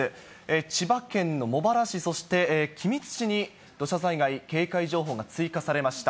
千葉県の茂原市、そして君津市に土砂災害警戒情報が追加されました。